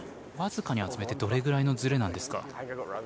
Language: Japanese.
僅かに厚めってどれぐらいのずれなんですか？